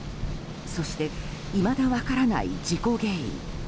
そして、いまだ分からない事故原因。